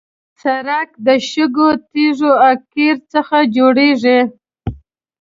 سړک د شګو، تیږو او قیر څخه جوړېږي.